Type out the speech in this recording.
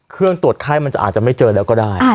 เครื่องตรวจไข้มันจะอาจจะไม่เจอแล้วก็ได้อ่า